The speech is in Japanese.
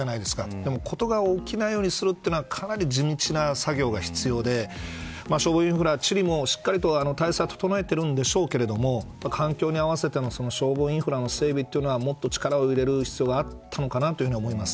でも事が起きないようにするのはかなり地道な作業が必要で消防インフラも体制は整えているんでしょうけど環境に合わせての消防インフラの整備というのはもっと力を入れる必要があったのかなと思います。